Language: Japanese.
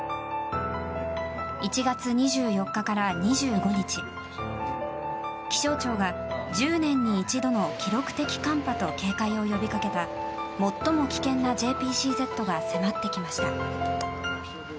１月２４日から２５日、気象庁が１０年に一度の記録的寒波と警戒を呼びかけた最も危険なＪＰＣＺが迫ってきました。